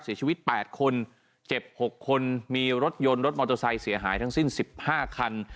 เสียชีวิต๘คนเจ็บ๖คนมีรถยนต์รถมอเตอร์ไซค์เสียหายทั้งสิ้น๑๕คัน